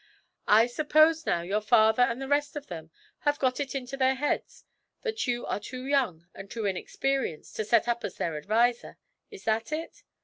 I suppose, now, your papa and the rest of them have got it into their heads that you are too young and too inexperienced to set up as their adviser is that it?'